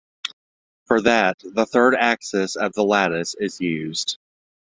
For that, the third axis of the lattice is used.